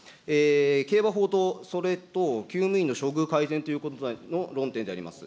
競馬法と、それときゅう務員の処遇改善ということの論点であります。